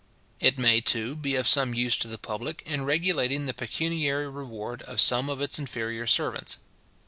It may, too, be of some use to the public, in regulating the pecuniary reward of some of its inferior servants.